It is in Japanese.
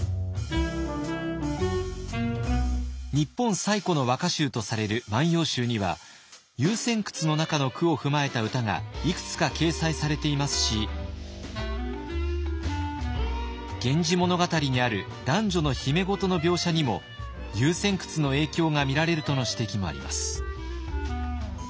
日本最古の和歌集とされる「万葉集」には「遊仙窟」の中の句を踏まえた歌がいくつか掲載されていますし「源氏物語」にある男女の秘め事の描写にも「遊仙窟」の影響が見られるとの指摘もあります。